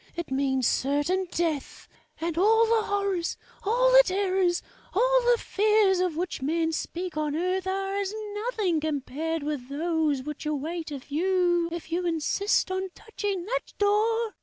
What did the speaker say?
It means certain death; and all the horrors, all the terrors, all the fears of which men speak on earth are as nothing compared with those which await you if you insist on touching that door!"